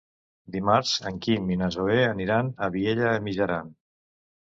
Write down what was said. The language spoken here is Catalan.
Dimarts en Quim i na Zoè aniran a Vielha e Mijaran.